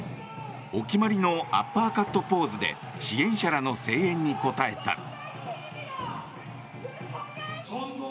お決まりのアッパーカットポーズで支援者らの声援に応えた。